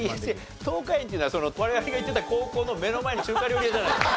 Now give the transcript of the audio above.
桃花園っていうのは我々が行ってた高校の目の前の中華料理屋じゃないですか。